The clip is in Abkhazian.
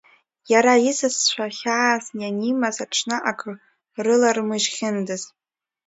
Иара исасцәа хьаас ианимаз аҽны, ак рылармыжьхындаз!